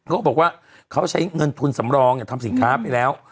เขาบอกว่าเขาใช้เงินทุนสำรองทำสินค้าไปแล้ว